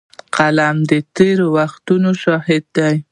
قلم د تېر وختونو شاهد دی